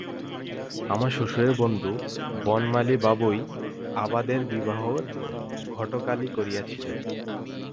আমার শ্বশুরের বন্ধু বনমালীবাবুই আবাদের বিবাহের ঘটকালি করিয়াছিলেন।